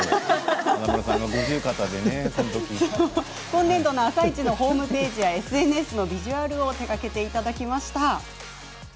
今年度の「あさイチ」のホームページやＳＮＳのビジュアルを手がけた方なんです。